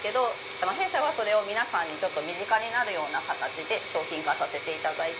弊社はそれを皆さんに身近になるような形で商品化させていただいて。